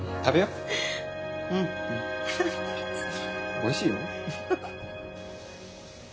おいしいよ。